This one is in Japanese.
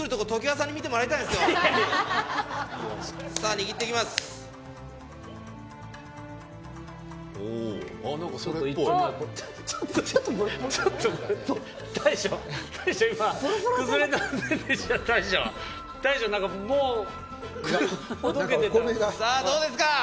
さぁどうですか！